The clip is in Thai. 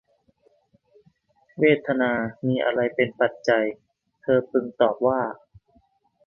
เวทนามีอะไรเป็นปัจจัย เธอพึงตอบว่า